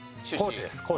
高知です。